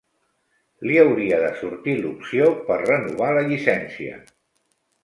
Li hauria de sortir l'opció per renovar la llicència.